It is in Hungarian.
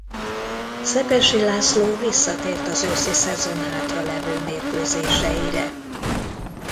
Szepessy László visszatért az őszi szezon hátralevő mérkőzéseire.